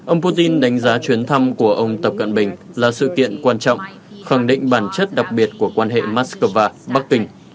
ông putin đánh giá chuyến thăm của ông tập cận bình là sự kiện quan trọng khẳng định bản chất đặc biệt của quan hệ moscow bắc kinh